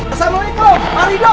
assalamualaikum pak rido